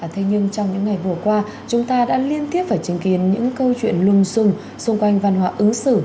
thế nhưng trong những ngày vừa qua chúng ta đã liên tiếp phải chứng kiến những câu chuyện lung sùng xung quanh văn hóa ứng xử